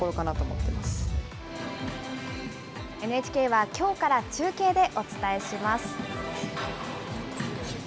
ＮＨＫはきょうから中継でお伝えします。